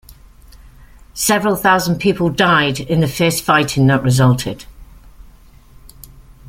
Several thousand people died in the fierce fighting that resulted.